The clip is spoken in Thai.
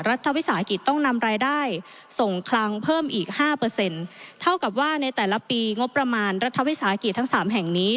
รัฐวิสาหกิจต้องนำรายได้ส่งคลังเพิ่มอีกห้าเปอร์เซ็นต์เท่ากับว่าในแต่ละปีงบประมาณรัฐวิสาหกิจทั้งสามแห่งนี้